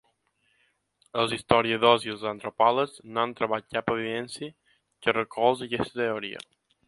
Els historiadors i els antropòlegs no han trobat cap evidència que recolzi aquesta teoria.